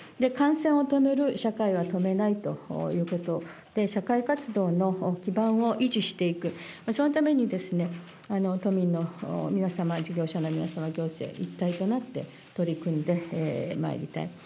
感染は止める、社会は止めないということ、社会活動の基盤を維持していく、そのために都民の皆様、事業者の皆さん、行政、一体となって取り組んでまいりたい。